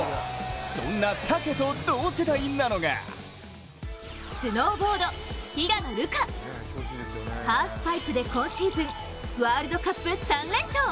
そんなタケと同世代なのがスノーボード平野流佳、ハーフパイプで今シーズンワールドカップ３連勝。